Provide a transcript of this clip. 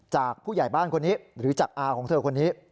จากผู้ใหญ่บ้านคนนี้หรือจากอาของเธอคนนี้